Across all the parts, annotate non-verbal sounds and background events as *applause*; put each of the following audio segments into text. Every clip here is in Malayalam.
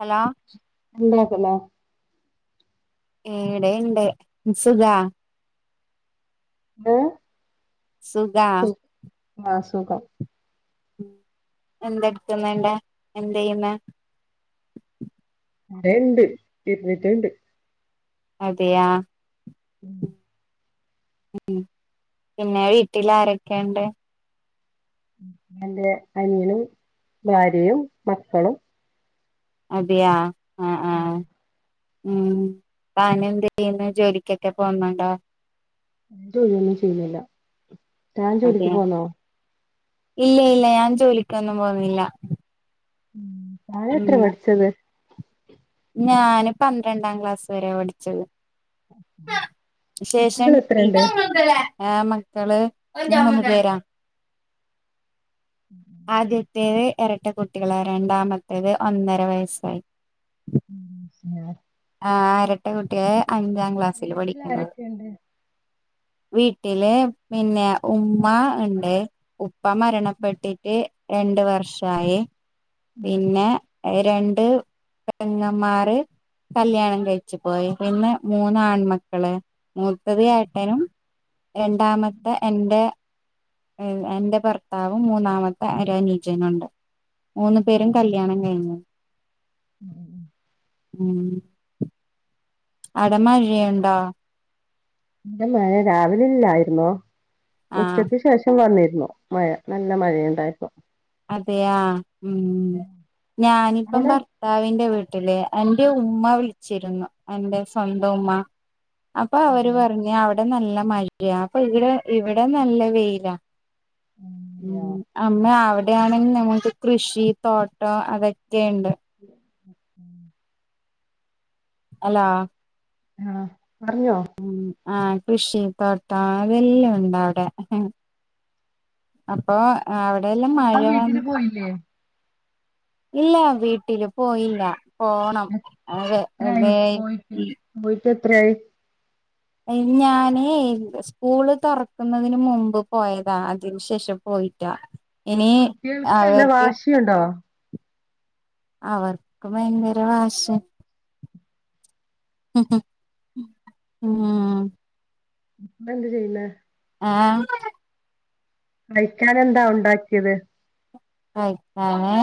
ഹലോ *unintelligible* അല്ലേ ഈടേം ഇണ്ട് സുഖാ എന്ത് സു സു ആഹ് സുഖം ഉം എന്തെട്ക്ക്ന്ന്ണ്ടേ എന്തെയ്യുന്നെ? ആഹ് *unintelligible* ഇണ്ട് തിരിഞ്ഞ്ട്ട്ണ്ട് അതെയാ? ഉം. ഉം പിന്നെ വീട്ടിലാരൊക്കേണ്ട്? എന്റെ അനിയനും ഭാര്യയും മക്കളും അതെയാ? ആഹ് ആ ആഹ് ഉം, താനെന്ത് ചെയ്യുന്നു ജോലിക്കൊക്കെ പോവ്ന്നുണ്ടോ? ജോലിയൊന്നും ചെയ്യുന്നില്ല. താൻ ജോലിക്ക് അതെയാ പോന്നോ? ഇല്ല ഇല്ല ഞാൻ ജോലിക്കൊന്നും പോവ്ന്നില്ല. താൻ എത്രേ പഠിച്ചത്? ഞാന് പന്ത്രണ്ടാം ക്ലാസ് വരെ പഠിച്ചത്. ശേഷം കുട്ടികൾ ടി എത്രയുണ്ട് ടി ആഹ് മക്കള് മൂന്ന് പേരാ *inaudible* ആദ്യത്തേത് എരട്ട കുട്ടികളാ രണ്ടാമത്തത് ഒന്നര വയസ്സായി. ആഹ് ആഹ് എരട്ട കുട്ടികള് അഞ്ചാം ക്ലാസ്സില് വീട്ടിൽ പഠിക്കുന്നത്. ആരൊക്കെയുണ്ട് വീട്ടില് പിന്നെ ഉമ്മ ഇണ്ട് ഉപ്പ മരണപ്പെട്ടിട്ട് രണ്ട് വർഷായി. ഉം പിന്നെ ഏഹ് രണ്ട് പെങ്ങമ്മാര് കല്ല്യാണം കഴിച്ചു പോയി. പിന്നെ മൂന്ന് ആൺമക്കള്. മൂത്തത് ഏട്ടനും രണ്ടാമത്തെ എന്റെ ഏഹ് എന്റെ ഭർത്താവും മൂന്നാമത്തെ ഒരനുജനോണ്. മൂന്ന് പേരും കല്യാണം കഴിഞ്ഞു. *unintelligible* ഉം *unintelligible* ആടെ മഴയൊണ്ടോ? ഇവിടെ മഴ രാവിലെല്ലായിരുന്നു. ആ ഉച്ചക്ക് ശേഷം വന്നിര്ന്നു. മഴ നല്ല മഴയുണ്ടായിപ്പ അതെയ ഉം ഞാനിപ്പം അവിടെ പർ താവിന്റെ വീട്ടില് എന്റെ ഉമ്മ വിളിച്ചിരുന്നു എന്റെ സ്വന്തം ഉമ്മ അപ്പൊ ആ അവര് ആ പറഞ്ഞഞ് അവിടെ നല്ല മഴയാ അപ്പൊ ഇവിടെ ഇവിടെ നല്ല വെയിലാ ഉം അമ്മ അവിടെയാണെന്ന് നമ്മ ക്ക് കൃഷി തോട്ടം അതൊക്കെയുണ്ട് *unintelligible* ഹലോ ആഹ പറഞ്ഞോ ഉ ആഹ കൃഷി തോട്ടം അതെല്ലാം ഉണ്ട് അവിടെ അപ്പൊ അവിടെയ എല്ലാം മഴ സ്വന്തം വീട്ടില് വന്ന് പോയില്ലേ ഇല്ല വീട്ടില് പോയില്ല പോണം അവിടെ എത്രായി ബെ പോയിട്ട് പോയിട്ട് എത്രയായി ഞാനേ സ്കൂള് തുറക്കുന്നതിന് മുമ്പ് പോയതാ അതിനുശേഷം പോയിറ്റാ ഇനി കുട്ടികൾക്ക് നല്ല അവർക്ക് വാശിയുണ്ടോ അവർക്ക് ഭയങ്കര വാഷ *unintelligible* ഇമ്മ എന്ത് ചെയ്യുന്ന ഏഹ് കഴിക്കൻ എന്താ ഉണ്ടാക്കിയത് കഴിക്കാന്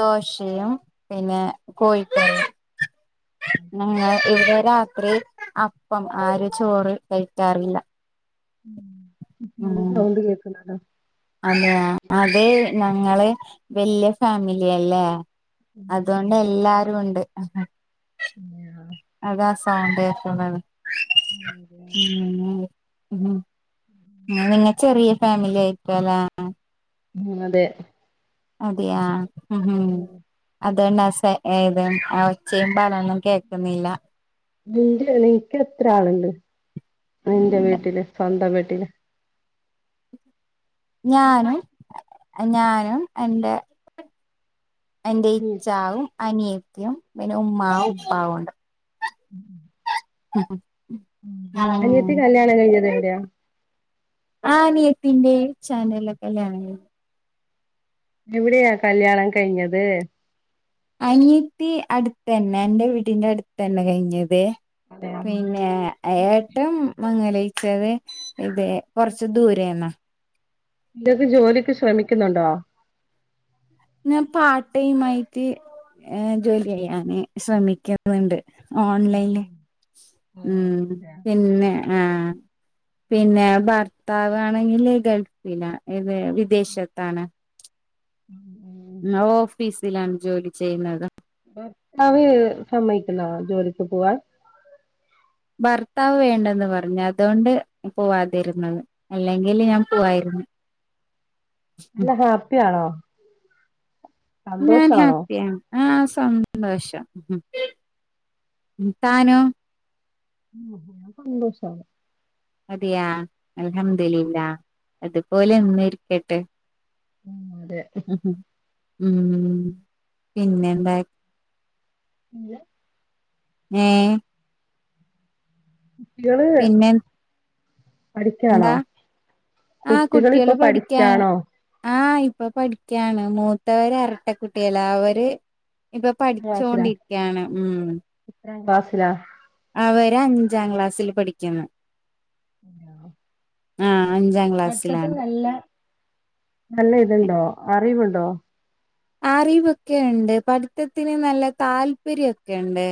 ദോശയും പിന്നെ കോഴികറിയും ഞങ്ങൾ ഇവിടെ രാത്രി അപ്പം ആര് ചോറ് കഴിക്കാറില്ല ഉ ഇ ഉം സൗണ്ട് കേക്കുന്നുണ്ടോ അതെയ അതെ ഞങ്ങള് വല്യ ഫാമിലി അല്ലേ ഉം അതുകൊണ്ട് എല്ലാരും ഉണ്ട് അത സൗ പാട്ടെവെക്കുന്നത് *unintelligible* *unintelligible* ഉമ് നിങ്ങ ചെറിയ ഫാമിലി ആയിക്കലാ ഉമ് അതെ അതെയാ അതുഒണ്ട് ആ സെ ഏത് ഒച്ചയും ബാളൊന്നും കേക്കുന്നില്ല നിന്റെ നിനക്ക് എത്ര ആളുണ്ട് നിന്റെ വീട്ടില് സ്വന്തം വീട്ടില് ഞാനും ഞാനും എന്റെ എന്റെ ഇച്ചാവും അനിയത്തിയും പിന്നെ ഉമ്മാവും ഉപ്പാവും ഉണ്ട് ഉ അനിയത്തി കല്ല്യാണം കഴിഞ്ഞത് എവിടെയാ ആഹ് അനിയത്തിന്റെ ചാനലൊക്കെല്ലയാണ എവിടെയാ കല്യാണം കഴിഞ്ഞത് അനിയത്തി അടുത്തന്നെ എന്റെ വീടിന്റെ അടുത്തന്നെ കഴിഞ്ഞത് പിന്നെ ഏട്ടം മങ്ങലയിച്ചത് *unintelligible* കുറച്ച് ദൂരേന്ന *unintelligible* ജോലിക്ക് ശ്രമിക്കുന്നുണ്ടോ ഞാൻ പാർട്ട് ടൈം ആയിട്ട് ഏഹ് ജോലി ചെയ്യാന് ശ്രമിക്കുന്നുണ്ട് ഓൺലൈന് ഉം പിന്നെ ആഹ് പിന്നെ ഭർത്താവ് ആണെങ്കില് ഗൾഫില ഏത് വിദേശത്താണ് ന്ന ഓഫീസിലാണ് ജോലി ചെയ്യുന്നത് ഭർത്താവ് സമ്മതിക്കുന്ന ജോലിക്ക് പോവാൻ ഭർത്താവ് വേണ്ടെന്ന് പറഞ്ഞു അതുകൊണ്ട് പോവാതിരുന്നത് അല്ലെങ്കില് ഞാൻ പോവായിരുന്നു ഉം അല്ല ഹാപ്പിയാണോ നാൻ സന്തോഷാണോ ഹാപ്പിയാണ് ആഹ് സന്തോഷം ഉം താനോ ഉ സന്തോഷണ് അതെയാ അലഹംമ്മദില്ലില്ല അതുപോലെ എന്നും ഇരിക്കട്ടെ അതെ ഉഹ് ഉം പിന്നെ എന്താ ല്ല ഏഹ് ഇകള് പിന്നെ പഠിക്കാണോ എന്താ കുട്ടികളിപ്പൊ പഠിക്കാണോ ആഹ് ഇപ്പൊ പഠിക്കണ് മൂത്തവര് അരട്ടക്കുട്ടികളാ അവര് ഇബർ പഠിച്ചോണ്ടിരിക്കയാണ് ഉം ത്രാം ക്ലാസില അവര് അഞ്ചാം ക്ലാസ്സില് പഠിക്കുന്നു ആഹ ആഹ് അഞ്ചാംക്ല പട്ത്തത്തിൽ നല്ല നല്ല ഇത്ണ്ടോ അറിവുണ്ടോ അറിവൊക്കെ ണ്ട് പഠിത്തത്തിന് നല്ല താല്പര്യക്കെണ്ട്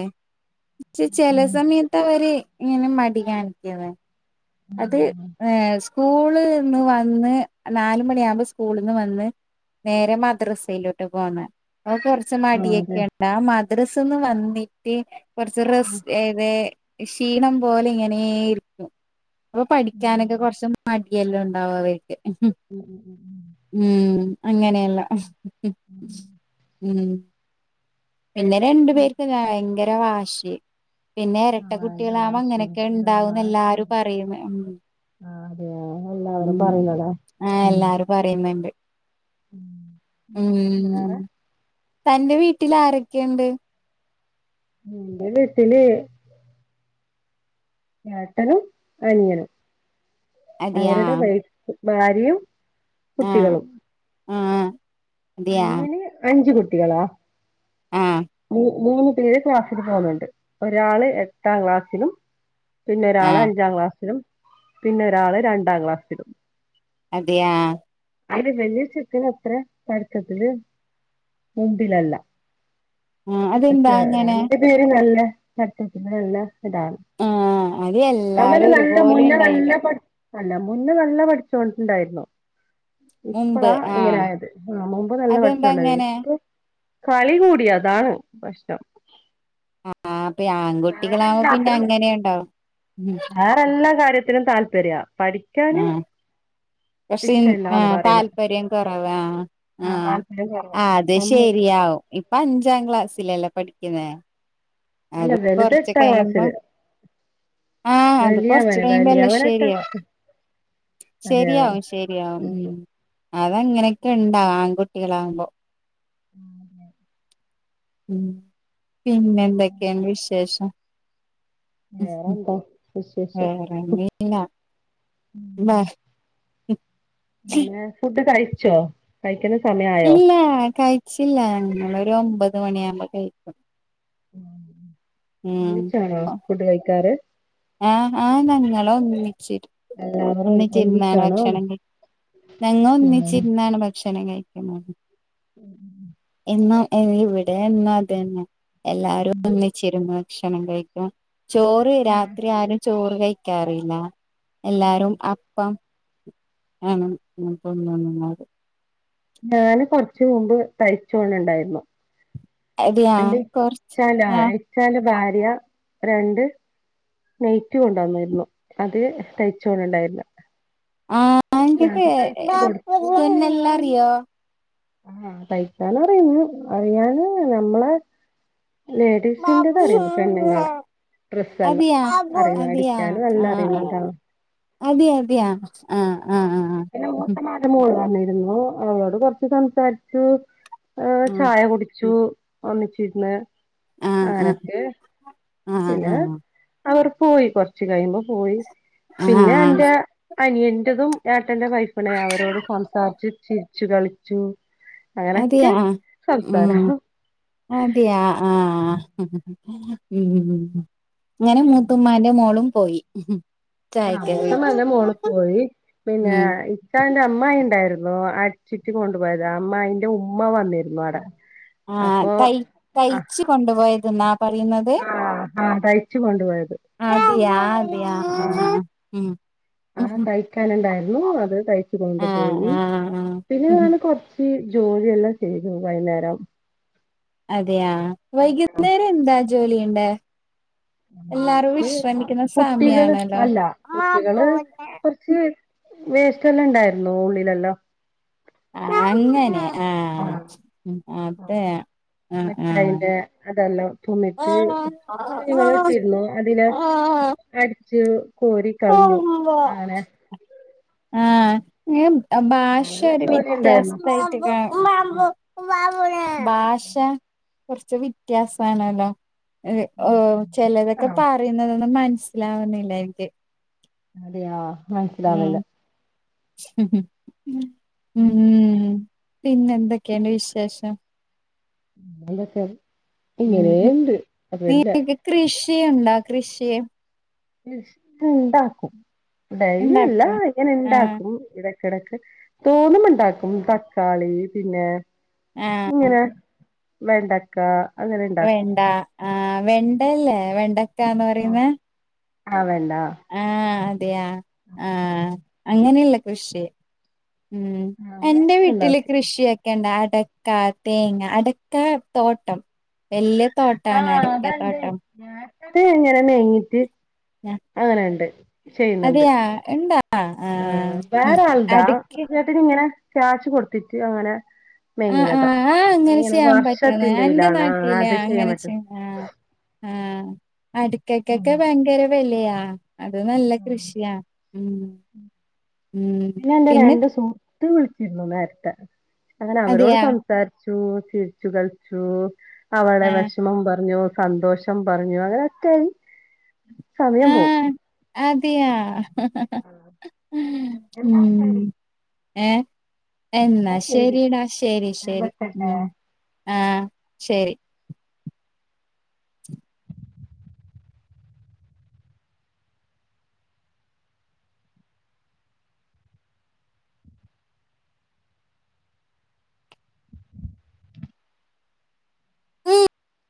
ച്ച് ചെല സമയത്ത് അവര് ഇങ്ങനെ മടി കാണിക്കണ് അത് ഏഹ് സ്കൂളിന്ന് വന്ന് നാലുമണി ആവുമ്പോ സ്കൂള്ന്ന് വന്ന് നേരെ മദ്രസയിലോട്ട് പോന്ന് ഓ കൊർ സ് ആഹ് അതെ മടിയൊക്കെണ്ട മദ്രസന്ന് വന്നിട്ട് കുറച്ച് ഉം റസ്റ്റ് എവെ ക്ഷീണം പോലെ ഇങ്ങനെ ഇരിക്കും അപ്പൊ പഠിക്കാനൊക്കെ കുറച്ച് മടിയെല്ലാം ഉണ്ടാവും അവർക്ക് ഉം ഉം ഉം ഉം ഉം അങ്ങനെയള്ള ഉം പിന്നെ രണ്ടു ഉം പേർക്ക് ഭയങ്കര വാശി പിന്നെ എരട്ട ആഹ് കുട്ടികളാവകുമ്പോ വാശിയും അങ്ങനെയൊക്കെ അതാണ് ഉണ്ടാവന്ന് വാശിയും എല്ലാരും പറയുന്ന് ഉം ആഹ് അതെയ എല്ലാവറും പറയുന്നടാ ഉം പറയന്ന്ണ്ട് വേറെ ഉം തന്റെ വീട്ടിൽ ആരൊക്കെയുണ്ട് ഉം ൻ്റെ വീട്ടില് ഏട്ടനും അനിയനും അതെയാ അവരുടെ വൈഫ് ഭാര്യയും കുട്ടികളും ആഹ് അങ്ങനെ അഞ്ചു കുട്ടികളാ ആ ഉം മൂന്ന് പേര് ക്ലാസ്സിൽ പോന്ന്ണ്ട് ഒരാള് എട്ടാം ക്ലാസ്സിലും പിന്നൊരാള് ആഹ് അഞ്ചാം ക്ലാസ്സിലും പിന്നൊരാള് രണ്ടാം ക്ലാസ്സിലും അതെയാ അത്ര *unintelligible* പടത്തത്തില് മുമ്പിലല്ല ആഹ് അതെന്താ അങ്ങനെ രണ്ട് പേര് നല്ല ചട്ടത്തിന് നല്ല ഇതാണ് ആഹ് അത് എല്ലാരും അവര് നല്ല ഒരുപോലെ മുന്നേ നല്ല ഉണ്ടായില്ല പ അല്ല മുന്നേ നല്ല പഠിച്ചോണ്ടിണ്ടായിരുന്നു മുമ്പ് ഇപ്പളാ ആഹ് ഇങ്ങനായത് ആഹ് മുമ്പ് നല്ല പടുത്തം അതെന്താ ഉണ്ടായി അങ്ങനെ ഇപ്പൊ കളി കൂടി അതാണ് പ്രശ്‌നം ആഹ് ളേ ആൺകുട്ടികളാവ്പോ പിന്നെ അങ്ങനെയുണ്ടാവും ഉം വേറെല്ലാ കാര്യത്തിനും താല്പര്യ പഠിക്കാന് പക്ഷ ആ ഇഷ്ടല്ലാന്ന് പറയുന്ന താല്പര്യം കുറവാ ആ ആഹ് താല്പര്യം കുറവാ അത് സമ്മതല്ല ശരിയാവും ഇപ്പൊ അഞ്ചാം ക്ലാസ്സിലല്ലേ പഠിക്കുന്നേ അല്ല അതും വലുത് കൊറച്ച് എട്ടാം കഴിയുമ്പോ. ക്ലാസ്സില് ആഹ് അത് കൊറച്ച് വലിയവന് കയിമ്പോ എല്ലാ വലിയവന് എട്ടാം ശ്ശെരിയാവും. ക്ലാസ്സില് അതെയ ശരിയാവും ശരിയാവും ഉം അതങ്ങനെയൊക്കെ ഉണ്ടാവും ആൺകുട്ടികളാവുമ്പോ. *inaudible* ഉം പിന്നെ എന്തൊക്കെയാണ് വിശേഷം? വേറെന്താ? വിശേഷം *unintelligible* പിന്നെ ഫുഡ് കഴിച്ചോ? കഴിക്കുന്ന സമയ. ഇല്ല കഴിച്ചില്ല ഞങ്ങൾ ഒരു ഒമ്പത് മണിയാവുമ്പോ കഴിക്കും. ഉം ഒന്നിച്ചാണോ ഫുഡ് കഴിക്കാറ്? ആഹ് ആഹ് ഞങ്ങളൊന്നിച്ചി എല്ലാവരും ഒന്നിച്ചി ഇരുന്നാണ് ഒരുമിച്ചാണോ ഉം ഭക്ഷണം കഴി ഞങ്ങൾ ഒന്നിച്ചിരുന്നാണ് ഭക്ഷണം കഴി *unintelligible* ഉം ഉം ഉം *unintelligible* ിച്ചിരുന്ന ഭക്ഷണം കഴിക്ക ചോറ് രാത്രി ആരും ചോറ് കഴിക്കാറില്ല. എല്ലാരും അപ്പം ആണ് ന തോന്നുന്നത്. ഞാന് കൊറച്ച മുമ്പ് തയ്ച്ചോണ് ഉണ്ടായിരുന്നു. അതെയാ എന്റെ കൊറച്ച് ഇച്ച ൻ ആഹ് എച്ചാന്റെ ഭാര്യ രണ്ട് നയിറ്റി കൊണ്ട് വന്നിരുന്നു അത് തയ്ച്ചോണ്ടിണ്ടായിരുന്നു. *unintelligible* കൊടുത്തു തുന്നൽ അറിയോ? ആഹ് തയ്ക്കാനറിയുന്നു അറിയാന് ഞമ്മളെ. ബാബു ലേഡീസിന്റെതറിയും പെണ്ണ്ങ്ങളെ. ഡ്രസ്സ് എല്ലം അതെയാ അറിയുന്നു അതെയാ അടിക്കാന് നല്ല ആ ആ അറിയുന്നുണ്ടാണ്. അതെ അതെയ ആഹ് ആഹ് പിന്നെ മൂത്തമാന്റെ മോള് പറഞ്ഞിരുന്നു അവളോട് കൊറച്ച് സംസാരിച്ചു ചായ കുടിച്ചു. ഒന്നിച്ചിരുന്ന് ആ അങ്ങനൊക്കെ ആ ആ പിന്നെ. അവർ പോയി കൊറച്ച് കഴിയുമ്പോ പോയി ആ പിന്നെ ആ എന്റെ അനിയന്റെതും എട്ടന്റെ വൈഫ് ഇണ്ടേന്ന് അവരോട് സംസാരിച്ച് ചിരിച്ചു കളിച്ചു അങ്ങനൊക്കെ അതെയാ ഉം സംസാരം അതെയാ ആഹ ഉം ഇങ്ങനെ മൂത്തുമ്മാന്റെ മോളും പോയി ആഹ് ചായക്കെ കുടിച്ച് മൂത്തമ്മാന്റെ മോള് പോയി പിന്നെ ഉം പ്പാന്റെ അമ്മായി ഇണ്ടായിര്ന്നു ആഹ് ചുറ്റി കൊണ്ട് പോയത് അമ്മായിന്റെ ഉമ്മ വന്നിരുന്നു അവിടെ ആഹ് തയ് തയ്ച്ച് കൊണ്ടുപോയത് ന്നാ പറയ്ന്നത് ആഹ് ആഹ് തയ്ച്ചു കൊണ്ടുപോയത് അതെയാ അതെയാ ആഹ് ഉം ആഹ് തയ്ക്കാനുണ്ടായിരുന്നു അത് തയ്ച്ച് ആ കൊണ്ട്പോയി ആ ആ പിന്നെ ഞാൻ കൊറച്ച് ജോലിയെല്ലാം ചെയ്തു വൈന്നേരം അതെയാ വൈകുന്നേരം എന്താ ജോലി ചെയ്യണ്ടേ അത് കുട്ടികള് സമയാണല്ലോ അല്ല ആ കുട്ടികള് വേസ്റ്റ് എല്ലാം ഉണ്ടായിരുന്നു ഉള്ളിലെല്ലോം ആഹ് അങ്ങനെ ആഹ് അതെ ആ ആ മിഠായിന്റെ അതെല്ലാം തിന്നിട്ട് കുഞ്ഞുങ്ങള് ഇട്ടിരുന്നു അതിലെ അടിചു കോരി കളഞ്ഞു അങ്ങനെ ആഹ ഭാഷ നല്ല ഒരു ജോലി ഉണ്ടായിരുന്നു വ്യത്യാസത്തായിട്ട് ഭാഷ കുറച്ച് വ്യത്യാസണലോ ഓ ചെലതൊക്കെ പറയുന്നതൊന്നും മനസ്സിലാവ്ന്നില്ല എനിക്ക് അതെയോ ഉം മനസ്സിലാവ്ന്നില്ല ഉം പിന്നെ എന്തൊക്കെണ്ട് വിശേഷം ന്തൊക്കെ ഇങ്ങനെ ഉണ്ട് അതല്ല കൃഷിയുണ്ടാ കൃഷിയെ ഇണ്ടാക്കും ഡെയ്ലിയല്ല ഉണ്ടാക്കോ ഇങ്ങനെ ആഹ് ഇണ്ടാക്കും ഇടെക്ക് ക്കിടക്ക് തോന്നുമ്പോ ഇണ്ടാക്കും തക്കാളി പിന്നെ ആഹ് ക്കിങ്ങനെ വെണ്ടക്ക അങ്ങനെ ഇണ്ടാക്കും വെണ്ട ആഹ് വെണ്ടയല്ലേ വെണ്ടക്കാന്ന് പറയുന്നേ? ആഹ് വെണ്ടാ ആഹ് അതെയൊ ആഹ് അങ്ങനെയുള്ള കൃഷി ഉം എന്റെ വീട്ടില് ഉണ്ടാക്കും കൃഷിയെ ക്കണ്ട അടക്ക, തേങ്ങ, അടക്ക തോട്ടം വല്ല്യ തോട്ടാണ് അടക്കാ തോട്ടം നേരത്തത് ഇങ്ങനന്നെ കയ്ഞ്ഞിട്ട് ആഹ് അതെയാ ഇണ്ടോ? ആ ആഹ് വേറെ ആൾതാ അടക്കി ചേട്ടന് ഇങ്ങനെ ക്യാശ് കൊടുത്തിട്ട് അങ്ങനെ ആഹ് മേങ്ങിനതാ ആഹ് ആഹ് അഹ് എങ്ങനെ അതിങ്ങനെ ചെയ്യാൻ പറ്റുന്നെ എന്റെ വർഷത്തിന്റെയിലാണ് ആ നാട്ടില് അത് ചെയ്യാൻ അങ്ങനെ പറ്റും ചെയ്യ ആഹ് ആഹ് അട്ക്കക്കെക്കെ ഭയങ്കര വെലയാ അത് നല്ല കൃഷിയാ ഉം ഉം എന്റെ പിന്നെ രണ്ട് സുഹൃത്ത് വിളിച്ചിരുന്നു നേരത്തെ അങ്ങനെ അവരോട് അതെയാ സംസാ സംസാരിച്ചു ചിരിച്ചു കളിച്ചു അവളെ ആഹ് വെഷമം പറഞ്ഞു സന്തോഷം പറഞ്ഞു അങ്ങനെക്കെയായി സമയം പോവും അതേയാ? എന്നാ ശരി ഏഹേ എന്നാ ശരിയെടാ ശരി ശരി ഉം ആഹ് ശരി ഉം